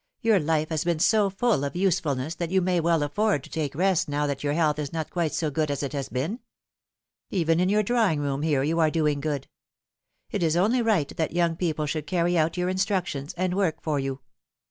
Tour life has been BO full of usefulness that you may well afford to take rest now that your health is not quite so good as it has been. Even in your drawing room here you are doing good. It is only right that young people should carry out your instructions, and work for you.